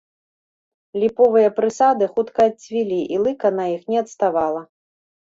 Ліповыя прысады хутка адцвілі, і лыка на іх не адставала.